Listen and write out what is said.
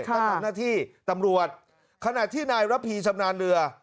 ตั้งแต่หน้าที่ตำรวจขณะที่นายรับผีสำนาญเรือ